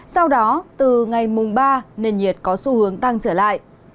sau đó từ ngày mùng ba nền nhiệt có xu hướng tăng trở lại